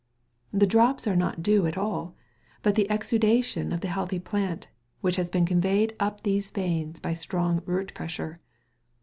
The drops are not dew at all, but the exudation of the healthy plant, which has been conveyed up these veins by strong root pressure.